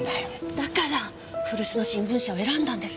だから古巣の新聞社を選んだんです。